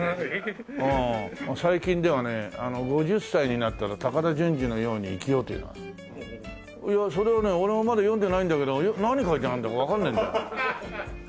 最近ではね「５０歳になったら高田純次のように生きよう」というのがそれはね俺もまだ読んでないんだけど何書いてあるんだかわからないんだよ。